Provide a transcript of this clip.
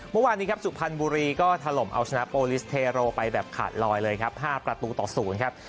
เมื่อวานนี้ครับสุพรรณบุรีก็ถล่มเอาชนะโปรลิสเทโรไปแบบขาดลอยเลยครับ๕ประตูต่อ๐ครับ